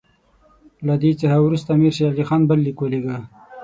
له دې څخه وروسته امیر شېر علي خان بل لیک ولېږه.